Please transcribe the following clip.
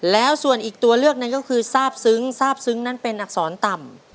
แล้วส่วนอีกตัวเลือกนั้นก็คือทราบซึ้งทราบซึ้งนั้นเป็นอักษรต่ำ